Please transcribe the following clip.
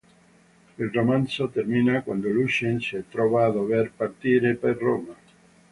Il romanzo termina quando Lucien si trova a dover partire per Roma.